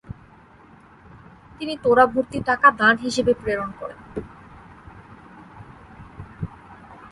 তিনি তোড়াভরতি টাকা দান হিসাবে প্রেরণ করেন।